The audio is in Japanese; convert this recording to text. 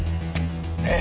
ねえ。